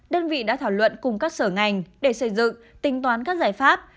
đơn vị đã thảo luận cùng các sở ngành để xây dựng tính toán các giải pháp